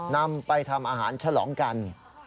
นำไปทำอาหารฉลองกัน